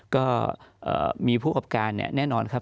ก็มีผู้ประกอบการแน่นอนครับ